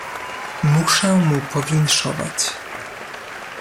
"Muszę mu powinszować."